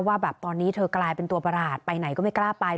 ว่าแบบตอนนี้เธอกลายเป็นตัวประหลาดไปไหนก็ไม่กล้าไป